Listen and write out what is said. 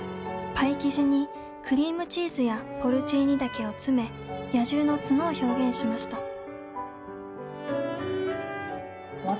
パイ生地にクリームチーズやポルチーニ茸を詰め野獣の「角」を表現しました。